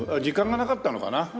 時間がなかったのかな？